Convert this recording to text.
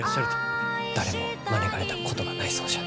誰も招かれたことがないそうじゃ。